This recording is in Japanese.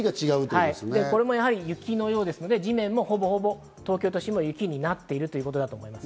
これも雪のようなので、東京都心も、ほぼ雪になっているということだと思います。